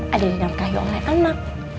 ada yang didafkahi oleh anak